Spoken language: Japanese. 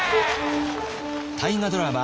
大河ドラマ